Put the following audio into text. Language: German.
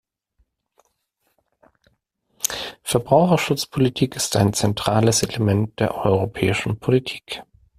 Verbraucherschutzpolitik ist ein zentrales Element der europäischen Politik.